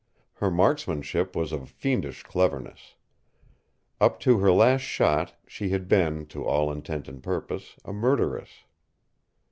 Her marksmanship was of fiendish cleverness. Up to her last shot she had been, to all intent and purpose, a murderess.